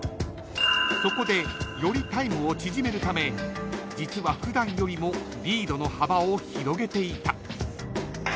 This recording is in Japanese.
［そこでよりタイムを縮めるため実は普段よりもリードの幅を広げていた］